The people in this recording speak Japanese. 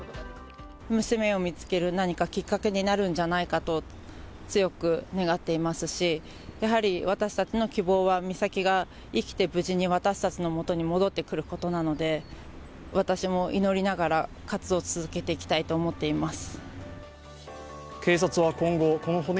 娘を見つける何かきっかけになるんじゃないかと強く願っていますし、やはり私たちの希望は美咲が生きて無事に私たちの元に戻ってくることなので私も祈りながら活動を続けていきたいと思っています。